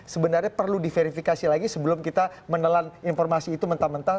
sebenarnya perlu diverifikasi lagi sebelum kita menelan informasi itu mentah mentah